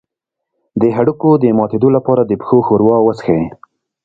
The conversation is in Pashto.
د هډوکو د ماتیدو لپاره د پښو ښوروا وڅښئ